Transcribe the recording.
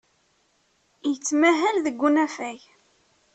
Yettmahal deg unafag.